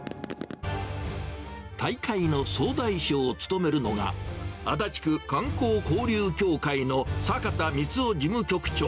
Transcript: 大会の総大将を務めるのが、足立区観光交流協会の坂田光穂事務局長。